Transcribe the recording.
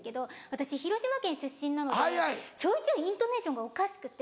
私広島県出身なのでちょいちょいイントネーションがおかしくて。